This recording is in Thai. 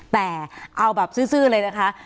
แต่เอาแบบซื่อเลยนะคะ